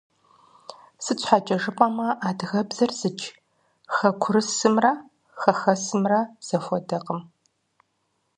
Сыт щхьэкӀэ жыпӀэмэ, адыгэбзэр зыдж хэкурысымрэ хэхэсымрэ зэхуэдэкъым.